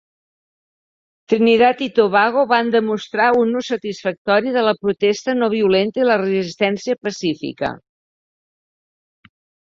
Trinidad i Tobago van demostrar un ús satisfactori de la protesta no violenta i la resistència pacífica.